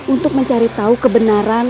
untuk mencari tahu kebenaran